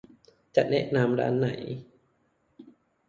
จะแนะนำร้านไหน